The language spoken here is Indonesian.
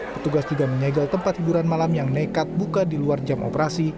petugas juga menyegel tempat hiburan malam yang nekat buka di luar jam operasi